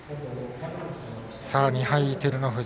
２敗、照ノ富士。